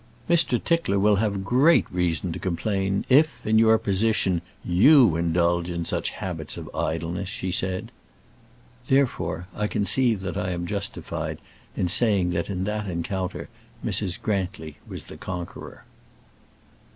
"Mr. Tickler will have great reason to complain if, in your position, you indulge such habits of idleness," she said. Therefore I conceive that I am justified in saying that in that encounter Mrs. Grantly was the conqueror. CHAPTER XLI.